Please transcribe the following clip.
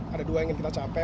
ada dua yang ingin kita capai